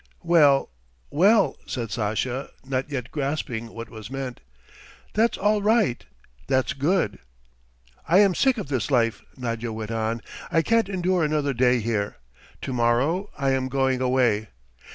"Well, well," said Sasha, not yet grasping what was meant. "That's all right ... that's good." "I am sick of this life," Nadya went on. "I can't endure another day here. To morrow I am going away.